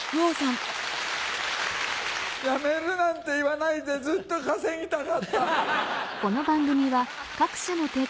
辞めるなんて言わないでずっと稼ぎたかった。